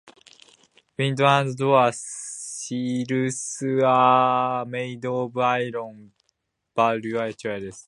Window and door sills are made of iron balustrades.